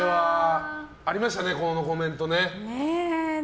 ありましたね、このコメント。